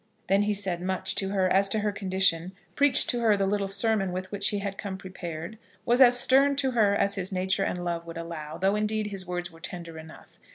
Then he said much to her as to her condition, preached to her the little sermon with which he had come prepared; was as stern to her as his nature and love would allow, though, indeed, his words were tender enough.